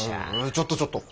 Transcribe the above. ちょっとちょっと。